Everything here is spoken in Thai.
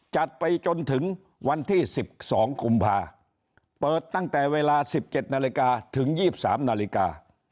จัดไปจนถึงวันที่๑๒กุมภาเปิดตั้งแต่เวลา๑๗นาฬิกาถึง๒๓นาฬิกา